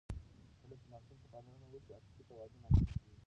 کله چې ماشوم ته پاملرنه وشي، عاطفي توازن رامنځته کېږي.